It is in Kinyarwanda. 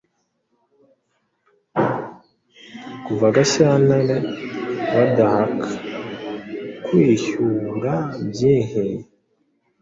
kuva Gahyantare badahaka kwihyura byinhi